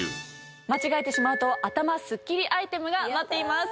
間違えてしまうと頭スッキリアイテムが待っています。